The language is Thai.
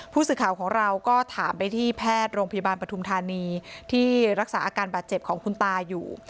ผู้สื่อข่าวของเราก็ถามไปที่แพทย์โรงพยาบาลปฐุมธานีที่รักษาอาการบาดเจ็บของคุณตาอยู่